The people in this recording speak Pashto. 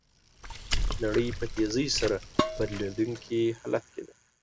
نړۍ په تېزۍ سره بدلیدونکي حالت کې ده.